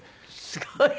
すごい。